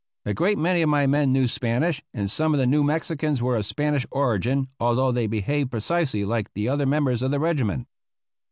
A great many of my men knew Spanish, and some of the New Mexicans were of Spanish origin, although they behaved precisely like the other members of the regiment.